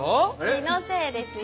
気のせいですよ。